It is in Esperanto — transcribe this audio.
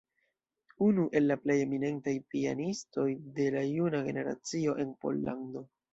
Unu el la plej eminentaj pianistoj de la juna generacio en Pollando.